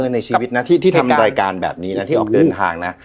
ในชีวิตนะที่ทำรายการแบบนี้นะที่ออกเดินทางนะ